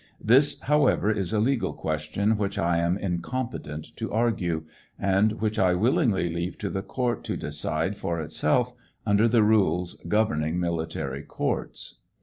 This, however, is a legal ques tion which I am incompetent to argue, and which I willingly leave to the couri to decide for itself under the rules governing military courts.